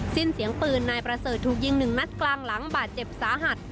สิ้นเสียงปืนนายประเสริฐถูกยิงหนึ่งนัดกลางหลังบาดเจ็บสาหัส